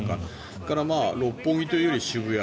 それから、六本木というより渋谷